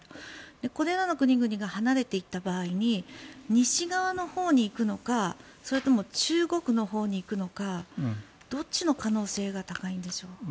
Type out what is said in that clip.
これらの国々が離れていった場合に西側のほうに行くのかそれとも中国のほうに行くのかどっちの可能性が高いんでしょう。